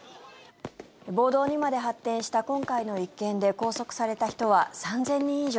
暴動にまで発展した今回の一件で拘束された人は３０００人以上。